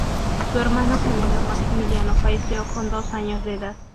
Su hermano gemelo, Maximiliano, falleció con dos años de edad.